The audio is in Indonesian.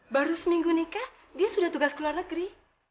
baru seminggu nikah dia sudah tugas ke luar negeri